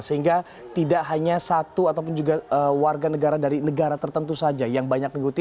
sehingga tidak hanya satu ataupun juga warga negara dari negara tertentu saja yang banyak mengikuti